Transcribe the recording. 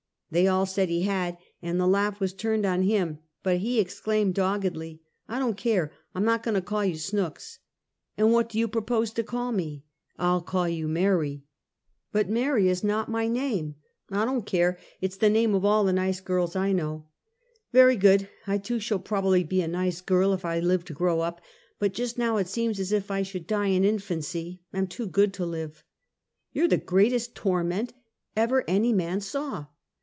They all said he had, and the laugh was turned on him; but he exclaimed doggedly, " I don't care! I'm not goin' to call you Snooks!" " And what do you propose to call me?" " I'll call you Mary." Find a Kame. 257 " But Mary is not my name." *' I don't care! It's the name of all the nice girls I know!" " Yery good ! I too shall probably be a nice girl if I live to grow up, but just now it seems as if I should die in infancy — am too good to live." " You're the greatest torment ever any man saw."